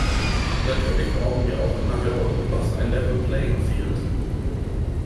Natürlich brauchen wir auch innerhalb Europas ein "Level Playing Field" .